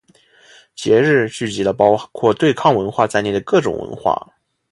节日聚集了包括对抗文化在内的各种文化。